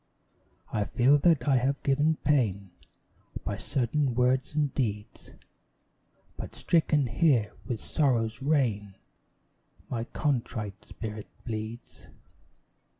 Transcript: I feel that I have given pain By certain words and deeds, But stricken here with Sorrow's rain, My contrite spirit bleeds.